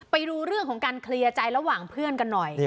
ไปดูเรื่องของการเคลียร์ใจระหว่างเพื่อนกันหน่อย